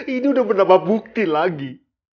ini udah menambah bukti lagi